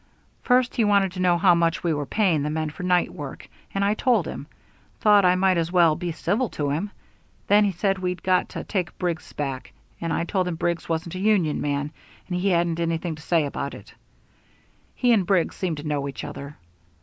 "First he wanted to know how much we were paying the men for night work, and I told him. Thought I might as well be civil to him. Then he said we'd got to take Briggs back, and I told him Briggs wasn't a union man, and he hadn't anything to say about it. He and Briggs seemed to know each other.